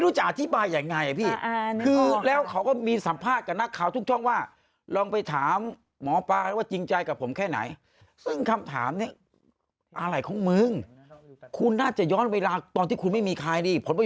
คุณชักทำก็ก็ถามผมแบบคุณจะถามเรื่องอื่นต่อเหมือนผม